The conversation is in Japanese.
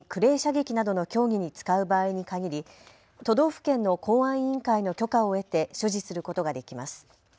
国内では狩猟や有害鳥獣の駆除、それにクレー射撃などの競技に使う場合に限り都道府県の公安委員会の許可を得て所持することができます。